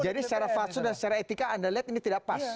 jadi secara faksu dan secara etika anda lihat ini tidak pas